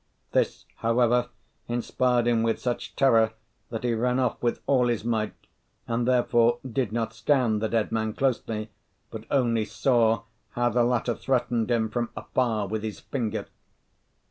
This, however, inspired him with such terror that he ran off with all his might, and therefore did not scan the dead man closely, but only saw how the latter threatened him from afar with his finger.